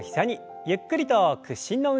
ゆっくりと屈伸の運動です。